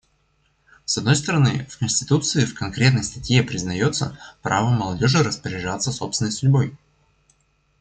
С одной стороны, в конституции в конкретной статье признается право молодежи распоряжаться собственной судьбой.